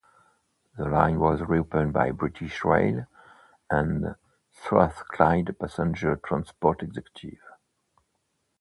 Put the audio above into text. The line was reopened by British Rail and Strathclyde Passenger Transport Executive.